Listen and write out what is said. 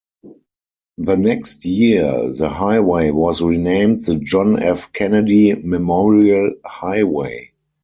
The next year, the highway was renamed the John F. Kennedy Memorial Highway.